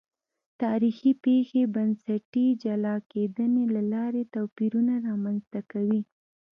تاریخي پېښې بنسټي جلا کېدنې له لارې توپیرونه رامنځته کوي.